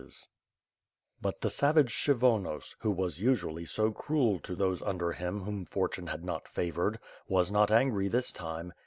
502 ^^^^^^^^^^^ SWORD, But the savage Kshyvonos, who was usually so cruel to those under him whom fortune had not favored, was not angry this time.